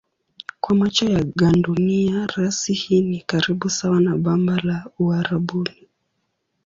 Kwa macho ya gandunia rasi hii ni karibu sawa na bamba la Uarabuni.